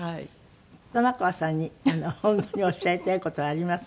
玉川さんに本当におっしゃりたい事あります？